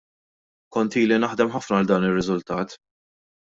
Kont ili naħdem ħafna għal dan ir-riżultat.